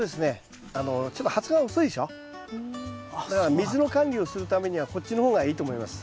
水の管理をするためにはこっちの方がいいと思います。